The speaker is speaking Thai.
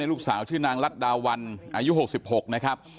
ลูกสาวชื่อนางรัฐดาวันอายุ๖๖นะครับ